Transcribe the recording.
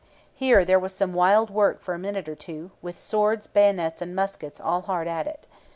Here there was some wild work for a minute or two, with swords, bayonets, and muskets all hard at it.